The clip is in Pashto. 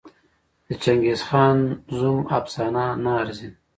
د چنګېزخان زوم افسانه نه ارزي.